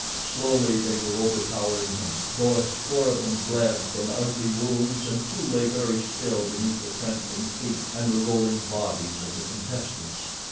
Slowly they were overpowering him, though a score of them bled from ugly wounds, and two lay very still beneath the trampling feet, and the rolling bodies of the contestants.